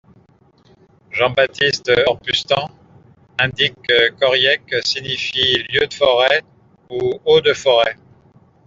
Jean-Baptiste Orpustan indique qu'Oyhercq signifie 'lieu de forêt' ou 'haut de forêt'.